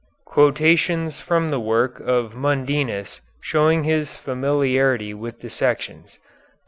(Quotations from the work of Mundinus showing his familiarity with dissections.